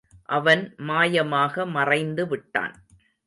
அவன் மாயமாக மறைந்து விட்டான்.